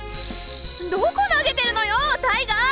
どこ投げてるのよタイガー！